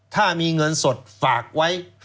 ถ้ามีเงินสดฝากไว้